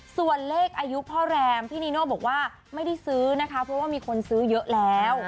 ส่วนเลขอายุพ่อแรมพี่นีโน่บอกว่าไม่ได้ซื้อนะคะเพราะว่ามีคนซื้อเยอะแล้ว